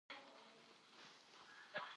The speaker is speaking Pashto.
پسرلی د افغان ماشومانو د لوبو موضوع ده.